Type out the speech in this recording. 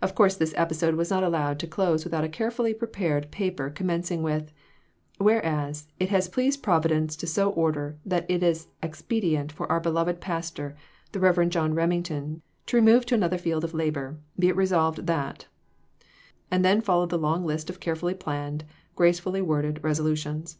Of course this episode was not allowed to close without a carefully prepared paper com mencing with " Whereas, it has pleased Providence to so order that it is expedient for our beloved pastor, the Reverend John Remington, to remove to another field of labor, be it resolved that" And then followed the long list of carefully planned, gracefully worded resolutions.